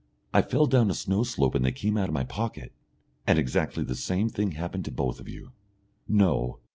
"I fell down a snow slope and they came out of my pocket." "And exactly the same thing happened to both of you?" "No.